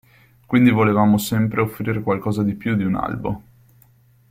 Quindi volevamo sempre offrire qualcosa di più di un albo.